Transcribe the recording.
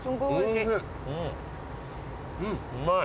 うまい。